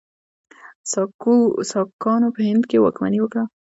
ساکانو په هند کې واکمني وکړه.